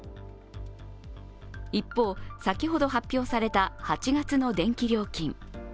一方、先ほど発表された８月の電気料金。